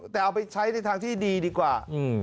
แต่เอาไปใช้ในทางที่ดีดีกว่า